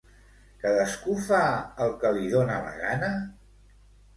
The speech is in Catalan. Cadascú fa el que li dona la gana?